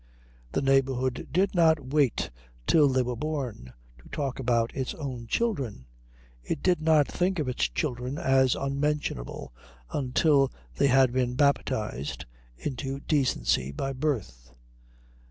The neighbourhood did not wait till they were born to talk about its own children. It did not think of its children as unmentionable until they had been baptised into decency by birth.